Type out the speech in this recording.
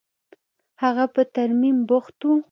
هغه په ترميم بوخت و.